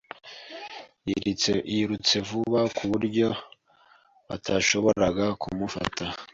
Yirutse vuba ku buryo batashoboraga kumufata.